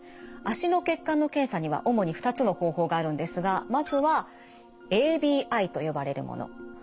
脚の血管の検査には主に２つの方法があるんですがまずはＡＢＩと呼ばれるもの。